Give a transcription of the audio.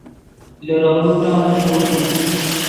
لیروؤ ٹیم ݰوئے